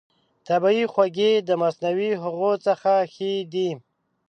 طبیعي خوږې د مصنوعي هغو څخه ښه دي.